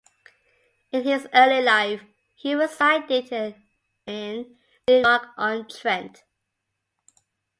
In his early life, he resided in Newark-on-Trent.